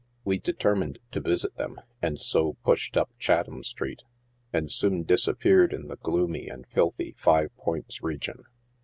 Wc determined to visit ihem, and so pushed up Cha' ham street, and soon disappeared in the gloomy and filthy Five Points region.